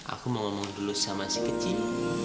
aku mau ngomong dulu sama si kecil